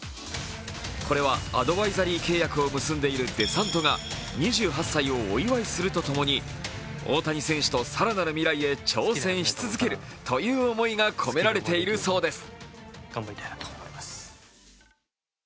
これはアドバイザリー契約を結んでいるデサントが、２８歳をお祝いすると共に大谷選手と更なる未来へ挑戦し続けるという思いが込められているそうです。